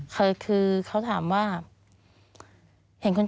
มันจอดอย่างง่ายอย่างง่าย